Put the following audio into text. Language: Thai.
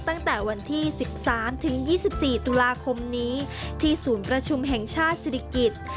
สัปดาห์คมนี้ที่ศูนย์ประชุมแห่งชาติศริกฤทธิ์